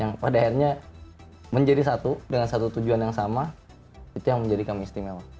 yang pada akhirnya menjadi satu dengan satu tujuan yang sama itu yang menjadi kami istimewa